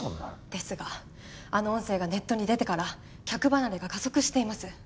ですがあの音声がネットに出てから客離れが加速しています。